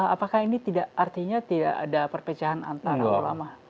apakah ini artinya tidak ada perpecahan antara ulama